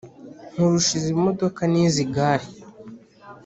Nkurusha izi modoka nizi gare